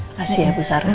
makasih ya bu sarah